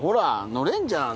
乗れんじゃん。